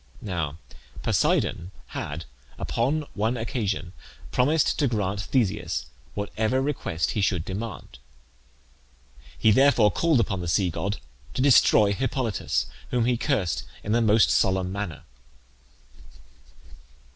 Now Poseidon had upon one occasion promised to grant Theseus whatever request he should demand; he therefore called upon the sea god to destroy Hippolytus, whom he cursed in the most solemn manner.